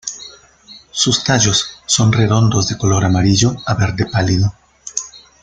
Sus tallos son redondos de color amarillo a verde pálido.